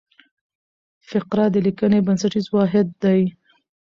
فقره د لیکني بنسټیز واحد دئ.